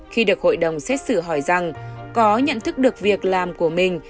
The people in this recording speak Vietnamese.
khi được hội đồng xét xử hỏi rằng có nhận thức được việc làm của mình